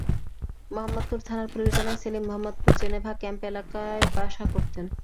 মোহাম্মদপুর থানার পুলিশ জানায়, সেলিম মোহাম্মদপুর জেনেভা ক্যাম্প এলাকায় ব্যবসা করতেন।